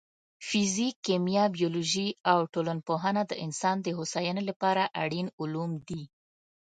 فزیک، کیمیا، بیولوژي او ټولنپوهنه د انسان د هوساینې لپاره اړین علوم دي.